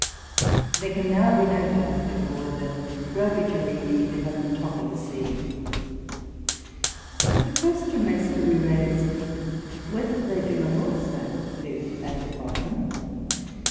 There can now be no doubt, therefore, that Globigerinoe live at the top of the sea; but the question may still be raised whether they do not also live at the bottom.